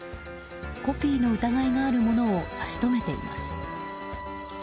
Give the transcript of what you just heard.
コピーの疑いがあるものを差し止めていきます。